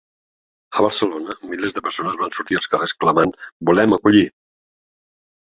A Barcelona milers de persones van sortir als carrers clamant ‘volem acollir’.